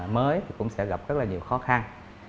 mới thì cũng sẽ gặp rất là nhiều khó khăn